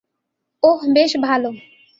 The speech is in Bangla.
ওহ, বেশ ভালো।